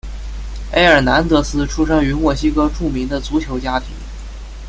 埃尔南德斯出生于墨西哥著名的足球家庭。